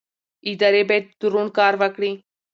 ادارې باید روڼ کار وکړي